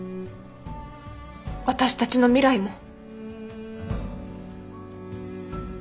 私たちの未来も。